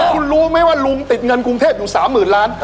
คุณรู้ไหมว่าลุงติดเงินกรุงเทพอยู่๓๐๐๐ล้าน